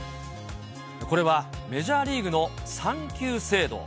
これはメジャーリーグの産休制度。